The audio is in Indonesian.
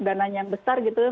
dananya yang besar gitu